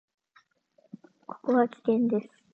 ここは危険です。